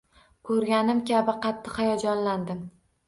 Ko’rganim kabi qattiq hayajonlandim.